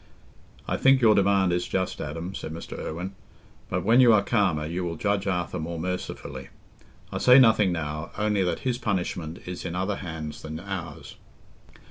"I think your demand is just, Adam," said Mr. Irwine, "but when you are calmer, you will judge Arthur more mercifully. I say nothing now, only that his punishment is in other hands than ours."